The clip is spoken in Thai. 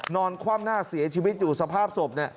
นอนคว่ำหน้าเสียชีวิตอยู่สภาพศพ